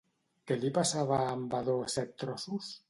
Què li passava a en Vadó Set-trossos?